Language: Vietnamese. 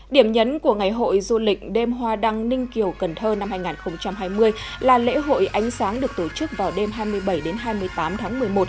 điểm nhấn của ngày hội du lịch đêm hoa đăng ninh kiều cần thơ năm hai nghìn hai mươi là lễ hội ánh sáng được tổ chức vào đêm hai mươi bảy đến hai mươi tám tháng một mươi một